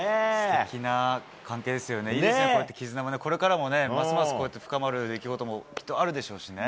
いいですよね、こういう絆も、これからもね、ますますこうやって深まる出来事もきっとあるでしょうしね。